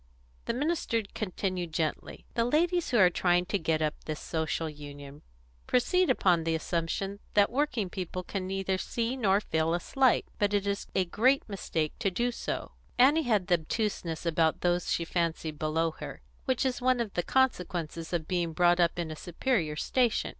The minister continued gently: "The ladies who are trying to get up this Social Union proceed upon the assumption that working people can neither see nor feel a slight; but it is a great mistake to do so." Annie had the obtuseness about those she fancied below her which is one of the consequences of being brought up in a superior station.